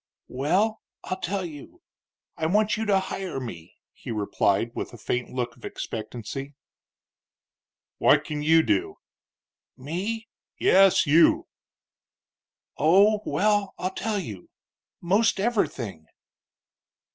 "Well, I'll tell you. I want you to hire me," he replied, with a faint look of expectancy. "What can you do?" "Me?" "Yes, you." "Oh, well, I'll tell you. Most everything."